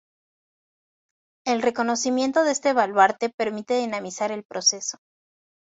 El reconocimiento de este baluarte permite dinamizar el proceso.